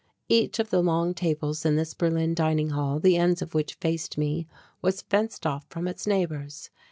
Each of the long tables of this Berlin dining hall, the ends of which faced me, was fenced off from its neighbours.